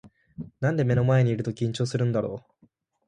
なんで目の前にいると緊張するんだろう